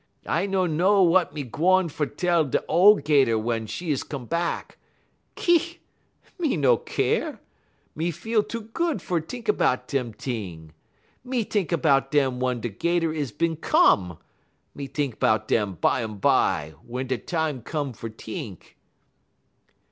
I no know wut me gwan fer tell da ole 'Gator wun 'e is come bahck. Ki! me no keer. Me feel too good fer t'ink 'bout dem t'ing. Me t'ink 'bout dem wun da 'Gator is bin come; me t'ink 'bout dem bumbye wun da time come fer t'ink.'